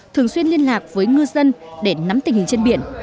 thường xuyên liên lạc với ngư dân để nắm tình hình trên biển